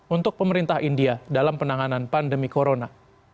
untuk pemerintah india dalam penanganan pandemi corona